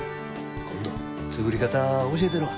今度作り方教えたるわ。